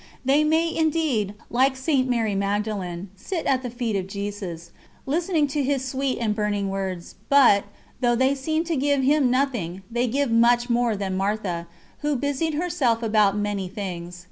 They may indeed, like St. Mary Magdalen, sit at the feet of Jesus, listening to His sweet and burning words, but, though they seem to give Him nothing, they give much more than Martha, who busied herself about many things.